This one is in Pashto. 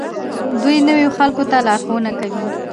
دوی نویو خلکو ته لارښوونه کوي.